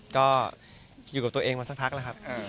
ก็อยู่กับตัวเองมาสักพักแล้วครับ